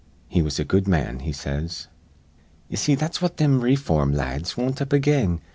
He was a good man,' he says. "Ye see, that's what thim rayform lads wint up again.